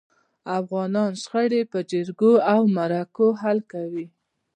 افغانان شخړي په جرګو او مرکو حل کوي.